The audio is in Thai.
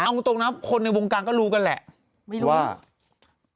เอาตรงนะคนในวงการก็รู้กันแหละไม่รู้ว่า